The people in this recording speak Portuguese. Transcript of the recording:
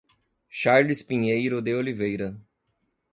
Charles Pinheiro de Oliveira